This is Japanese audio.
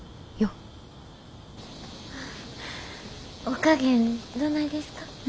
お加減どないですか？